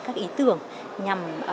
các ý tưởng nhằm